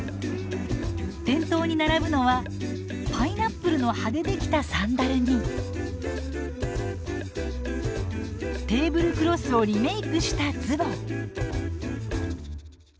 店頭に並ぶのはパイナップルの葉でできたサンダルにテーブルクロスをリメークしたズボン。